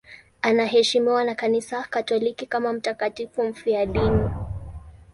Anaheshimiwa na Kanisa Katoliki kama mtakatifu mfiadini.